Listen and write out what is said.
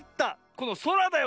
このそらだよそら！